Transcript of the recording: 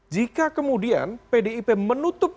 jika kemudian pdip menutup